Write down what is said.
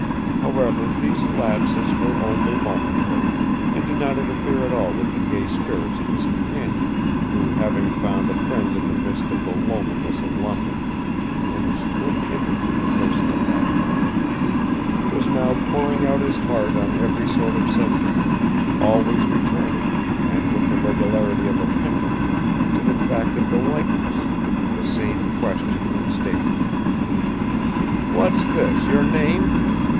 However, these lapses were only momentary, and did not interfere at all with the gay spirits of his companion, who having found a friend in the midst of the loneliness of London, and his twin image in the person of that friend, was now pouring out his heart on every sort of subject, always returning, and with the regularity of a pendulum to the fact of the likeness, and the same question and statement. "What's this, your name?